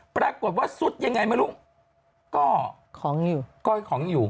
ปรากฏว่าสุดยังไงไม่รู้ก็ของอยู่